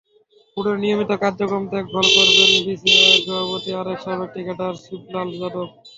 বোর্ডের নিয়মিত কার্যক্রম দেখভাল করবেন বিসিসিআইর সহসভাপতি আরেক সাবেক ক্রিকেটার শিবলাল যাদব।